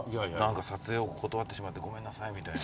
撮影を断ってしまってごめんなさいみたいな。